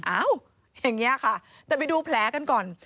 อย่างนี้ค่ะแต่ไปดูแผลกันก่อน